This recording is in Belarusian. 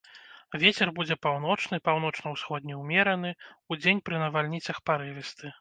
Вецер будзе паўночны, паўночна-ўсходні ўмераны, удзень пры навальніцах парывісты.